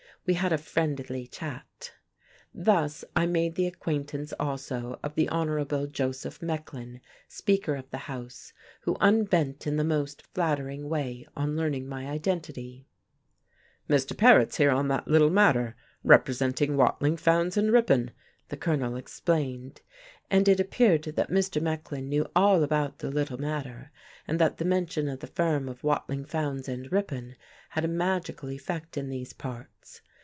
We had a "friendly chat." Thus I made the acquaintance also of the Hon. Joseph Mecklin, Speaker of the House, who unbent in the most flattering way on learning my identity. "Mr. Paret's here on that little matter, representing Watling, Fowndes and Ripon," the Colonel explained. And it appeared that Mr. Mecklin knew all about the "little matter," and that the mention of the firm of Watling, Fowndes and Ripon had a magical effect in these parts.